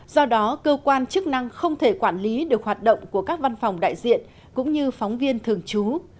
do đó cơ quan chức năng không thể quản lý được hoạt động của các văn phòng đại diện cũng như phóng viên thường trú